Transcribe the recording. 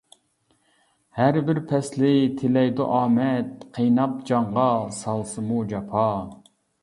ھەر بىر پەسلى تىلەيدۇ ئامەت، قىيناپ جانغا سالسىمۇ جاپا.